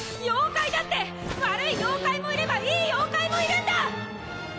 妖怪だって悪い妖怪もいればいい妖怪もいるんだ！